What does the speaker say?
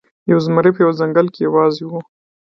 یو زمری په یوه ځنګل کې یوازې و.